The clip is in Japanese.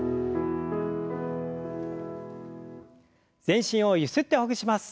全身をゆすってほぐします。